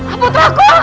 apa itu aku